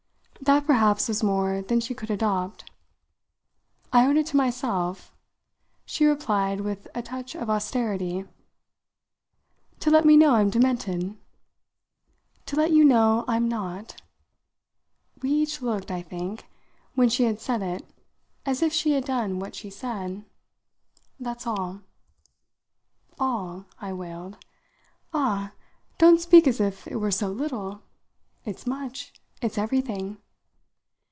That perhaps was more than she could adopt. "I owed it to myself," she replied with a touch of austerity. "To let me know I'm demented?" "To let you know I'm not." We each looked, I think, when she had said it, as if she had done what she said. "That's all." "All?" I wailed. "Ah, don't speak as if it were so little. It's much. It's everything."